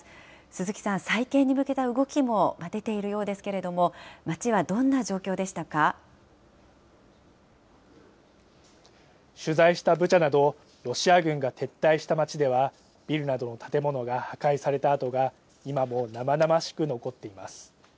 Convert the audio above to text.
鈴木さん、再建に向けた動きも出ているようですけれども、町はど取材したブチャなど、ロシア軍が撤退した町では、ビルなどの建物が破壊された跡が、今も生々しく残っています。